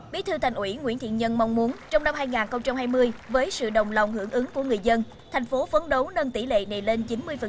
bí thư thành ủy nguyễn thiện nhân mong muốn trong năm hai nghìn hai mươi với sự đồng lòng hưởng ứng của người dân thành phố phấn đấu nâng tỷ lệ này lên chín mươi